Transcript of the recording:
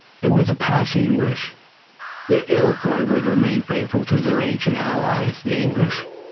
It was a passing wish. The Iroquois would remain faithful to their ancient allies, the English.